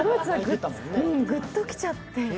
グッときちゃって。